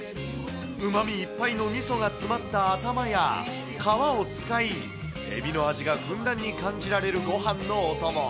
うまみいっぱいのみそが詰まった頭や、皮を使い、エビの味がふんだんに感じられるごはんのお供。